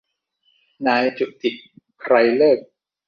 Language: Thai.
นายจุติ ไกรฤกษ์